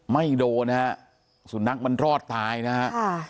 ไม่โดนนะฮะสุนัขมันรอดตายนะฮะค่ะ